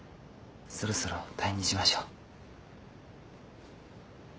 そろそろ退院にしましょう。